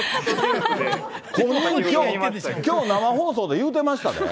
きょう、生放送で言うてましたで。